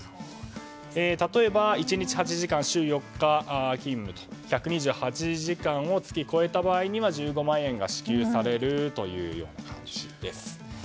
例えば、１日８時間週４日勤務と１２８時間を月超えた場合には１５万円が支給されるという感じです。